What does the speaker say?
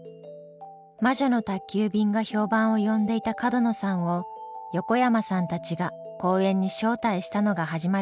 「魔女の宅急便」が評判を呼んでいた角野さんを横山さんたちが講演に招待したのが始まりでした。